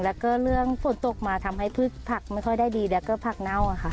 แล้วก็เรื่องฝนตกมาทำให้พืชผักไม่ค่อยได้ดีแล้วก็ผักเน่าค่ะ